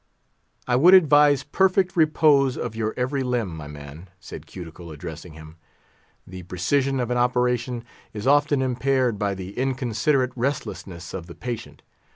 "I would advise perfect repose of your every limb, my man," said Cuticle, addressing him; "the precision of an operation is often impaired by the inconsiderate restlessness of the patient.